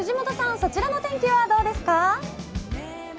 そちらの天気はどうですか。